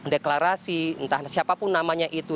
deklarasi entah siapapun namanya itu